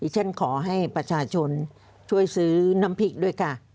ฉันขอให้ประชาชนช่วยซื้อน้ำพริกด้วยค่ะ